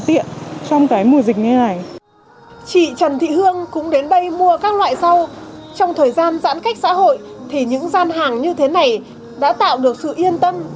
trong thời gian giãn cách xã hội thì những gian hàng như thế này đã tạo được sự yên tân